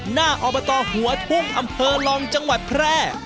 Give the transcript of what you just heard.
หน้าอบตหัวทุ่งอำเภอลองจังหวัดแพร่